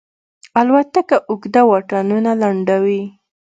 الوتکه اوږده واټنونه لنډوي.